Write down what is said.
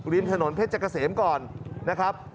ริมถนนเพชรเกษมก่อนนะครับ